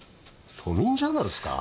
『都民ジャーナル』っすか。